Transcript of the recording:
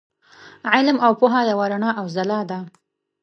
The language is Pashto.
علم او پوهه یوه رڼا او ځلا ده.